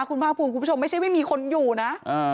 คุณพ่อผู้ชมไม่ใช่ว่ามีคนอยู่นะ